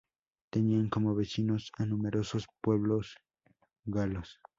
Tenían como vecinos a numerosos pueblos galos.